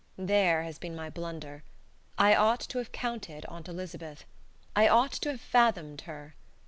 There has been my blunder. I ought to have counted Aunt Elizabeth. I ought to have fathomed her.